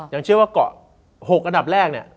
ยังเชื่อว่าเกาะ๖อันดับแรกเนี่ย